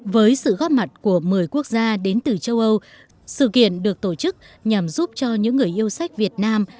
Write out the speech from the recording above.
với sự góp mặt của một mươi quốc gia đến từ châu âu sự kiện được tổ chức nhằm giúp cho những người yêu sách việt nam